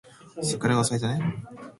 桜が咲いたね